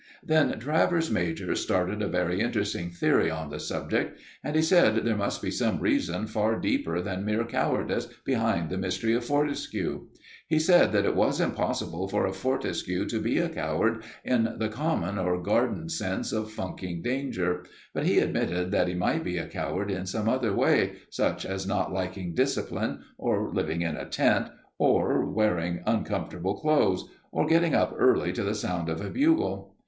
Then Travers major started a very interesting theory on the subject, and he said there must be some reason far deeper than mere cowardice behind the mystery of Fortescue. He said that it was impossible for a Fortescue to be a coward in the common or garden sense of funking danger, but he admitted that he might be a coward in some other way, such as not liking discipline, or living in a tent, or wearing uncomfortable clothes, or getting up early to the sound of a bugle.